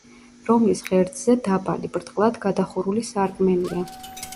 რომლის ღერძზე დაბალი, ბრტყლად გადახურული სარკმელია.